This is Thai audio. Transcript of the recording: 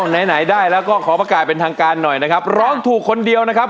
ไหนไหนได้แล้วก็ขอประกาศเป็นทางการหน่อยนะครับร้องถูกคนเดียวนะครับ